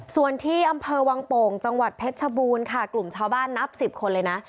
ส่วนที่อำเภอวังโป่งจังหวัดเพชรชบูรณ์ค่ะกลุ่มชาวบ้านนับสิบคนเลยนะ